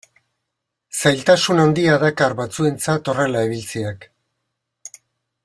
Zailtasun handia dakar batzuentzat horrela ibiltzeak.